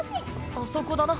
あそこだな。